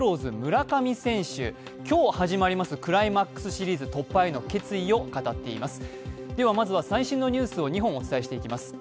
そしてスワローズ・村上選手、今日始まりますクライマックスシリーズ突破への決意を語っています。